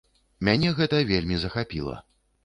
Мяне гэта вельмі захапіла.